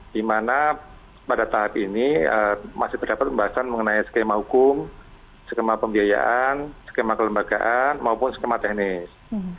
di mana pada tahap ini masih terdapat pembahasan mengenai skema hukum skema pembiayaan skema kelembagaan maupun skema teknis